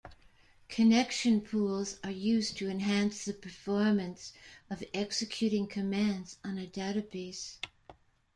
Connection pools are used to enhance the performance of executing commands on a database.